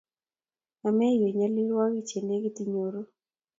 Ameiywei nyalilwogik che negit inyoru.